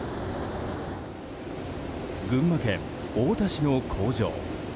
群馬県太田市の工場。